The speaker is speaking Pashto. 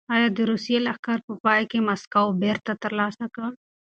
ایا د روسیې لښکر په پای کې مسکو بېرته ترلاسه کړ؟